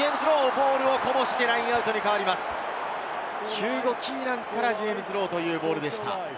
ヒューゴ・キーナンからジェームズ・ロウというボールでした。